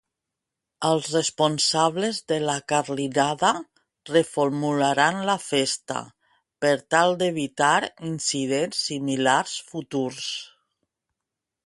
Els responsables de la Carlinada reformularan la festa per tal d'evitar incidents similars futurs.